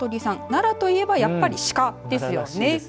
奈良といえばやっぱり、シカですよね。